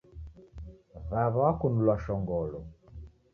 Wawa wakunulwa shongolo